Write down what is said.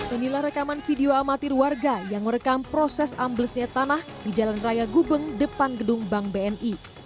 inilah rekaman video amatir warga yang merekam proses amblesnya tanah di jalan raya gubeng depan gedung bank bni